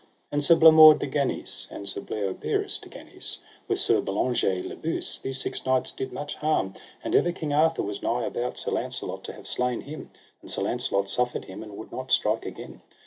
And Sir Blamore de Ganis, and Sir Bleoberis de Ganis, with Sir Bellangere le Beuse, these six knights did much harm; and ever King Arthur was nigh about Sir Launcelot to have slain him, and Sir Launcelot suffered him, and would not strike again.